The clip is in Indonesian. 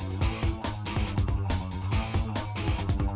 aduh aduh aduh aduh